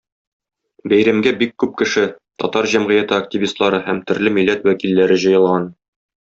Бәйрәмгә бик күп кеше - татар җәмгыяте активистлары һәм төрле милләт вәкилләре җыелган.